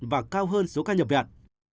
và cao hơn số ca nhập viện